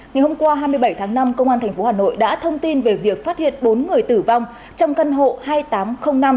ngày hôm qua hai mươi bảy tháng năm công an tp hà nội đã thông tin về việc phát hiện bốn người tử vong trong căn hộ hai nghìn tám trăm linh năm